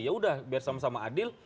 ya udah biar sama sama adil